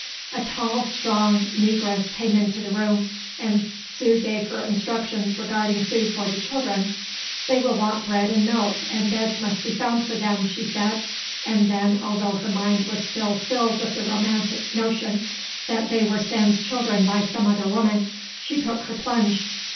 A tall strong Negress came into the room, and Sue gave her instructions regarding food for the children. "They will want bread and milk, and beds must be found for them," she said, and then, although her mind was still filled with the romantic notion that they were Sam's children by some other woman, she took her plunge.